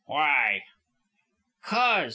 "Why?" "Cos .